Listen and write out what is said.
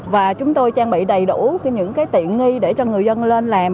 và chúng tôi trang bị đầy đủ những tiện nghi để cho người dân lên làm